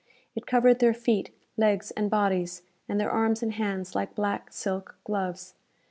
It covered their feet, legs and bodies; and their arms and hands like black, silk gloves.